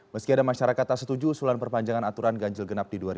meski ada masyarakat tak setuju usulan perpanjangan aturan ganjil genap di dua ribu dua puluh